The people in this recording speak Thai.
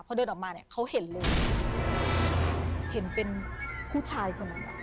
พอเดินออกมาเนี่ยเขาเห็นเลยเห็นเป็นผู้ชายคนนั้น